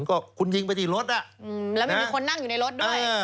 ก็คุณยิงไปที่รถแล้วไม่มีคนนั่งอยู่ในรถด้วย